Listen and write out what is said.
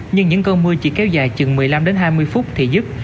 nhưng những cơn mưa chỉ kéo dài chừng một mươi năm hai mươi phút thì dứt